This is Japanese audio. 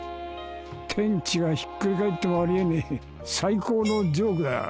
天地がひっくり返ってもあり得ねえ最高のジョークだ。